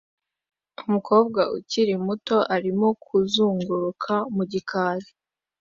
Umukobwa ukiri muto arimo kuzunguruka mu gikari